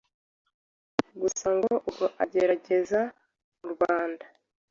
gusa ngo ubwo yageraga mu Rwanda